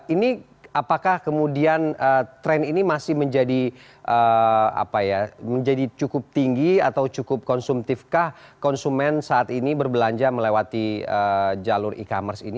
ini apakah kemudian trend ini masih menjadi apa ya menjadi cukup tinggi atau cukup konsumtif kah konsumen saat ini berbelanja melewati jalur e commerce ini